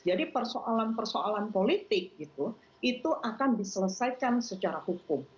jadi persoalan persoalan politik itu akan diselesaikan secara hukum